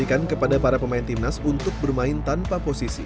jadi kita harus berpengalaman untuk memperbaiki hal itu